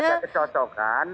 kebutuhan dan kecocokan